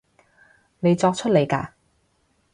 你作出嚟嘅